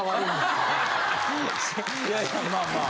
いやいやまあまあ。